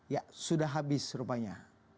ya sudah habis rupanya